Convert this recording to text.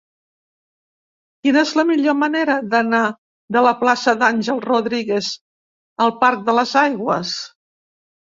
Quina és la millor manera d'anar de la plaça d'Àngel Rodríguez al parc de les Aigües?